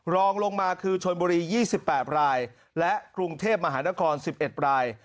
รองลงมาคือชนบุรี๒๘รายและกรุงเทพมหานคร๑๑ราย